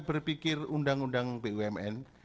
berpikir undang undang bumn